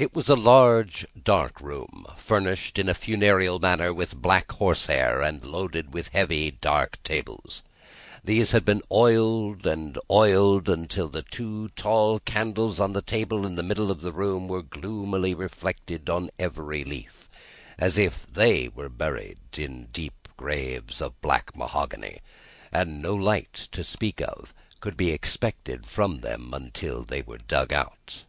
It was a large, dark room, furnished in a funereal manner with black horsehair, and loaded with heavy dark tables. These had been oiled and oiled, until the two tall candles on the table in the middle of the room were gloomily reflected on every leaf; as if they were buried, in deep graves of black mahogany, and no light to speak of could be expected from them until they were dug out.